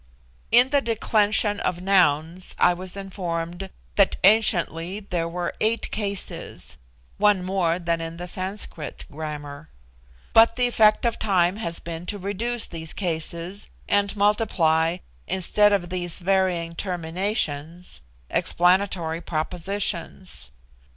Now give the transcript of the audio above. In the declension of nouns I was informed that anciently there were eight cases (one more than in the Sanskrit Grammar); but the effect of time has been to reduce these cases, and multiply, instead of these varying terminations, explanatory propositions.